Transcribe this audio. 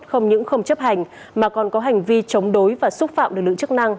không những không chấp hành mà còn có hành vi chống đối và xúc phạm lực lượng chức năng